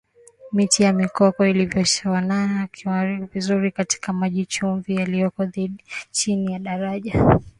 Miti ya Mikoko ilivyoshonana na kunawiri vizuri katika maji chumvi yaliyoko chini ya daraja